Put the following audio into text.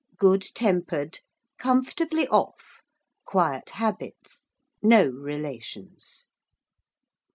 Good tempered. Comfortably off. Quiet habits. No relations.